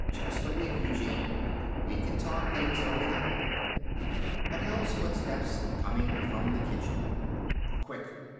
Just a week, Eugene. We can talk things over then." Adele's footsteps coming from the kitchen. "Quick!"